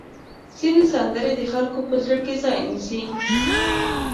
ځینې سندرې د خلکو په زړه کې ځای نیسي.